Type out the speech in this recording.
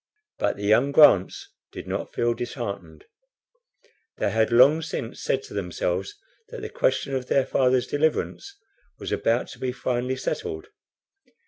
But the young Grants did not feel disheartened. They had long since said to themselves that the question of their father's deliverance was about to be finally settled.